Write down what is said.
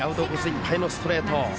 いっぱいのストレート。